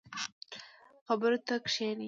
خبرو ته کښیني.